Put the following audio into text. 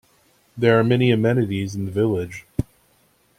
There are many amenities in the village.